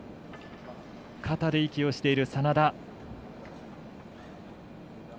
肩で息をしている眞田。